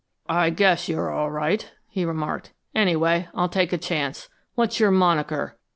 "I guess you're all right," he remarked. "Anyway, I'll take a chance. What's your moniker?"